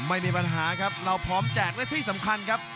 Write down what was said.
ไม่มีปัญหาครับเราพร้อมแจกและที่สำคัญครับ